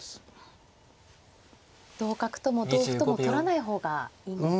同角とも同歩とも取らない方がいいんですね。